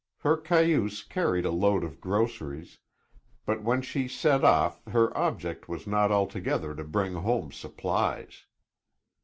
Her cayuse carried a load of groceries, but when she set off her object was not altogether to bring home supplies.